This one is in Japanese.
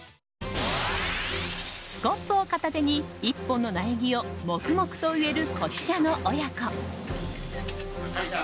スコップを片手に１本の苗木を黙々と植えるこちらの親子。